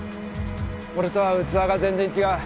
俺とは器が全然違う。